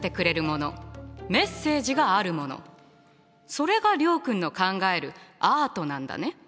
それが諒君の考えるアートなんだね。